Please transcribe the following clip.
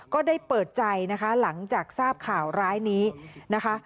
ก็ได้เปิดใจนะคะหลังจากทราบข่าวร้ายนี้นะคะ